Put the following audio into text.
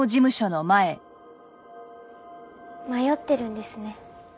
迷ってるんですね。